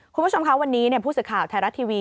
คุณผู้ชมคะวันนี้ผู้สื่อข่าวไทยรัฐทีวี